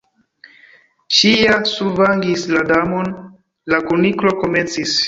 "Ŝi ja survangis la Damon " la Kuniklo komencis.